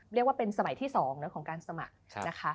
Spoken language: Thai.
เรียกว่าเป็นสมัยที่๒ของการสมัครนะคะ